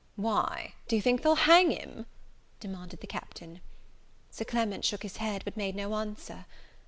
"Why, do you think they'll hang him?" demanded the Captain. Sir Clement shook his head, but made no answer.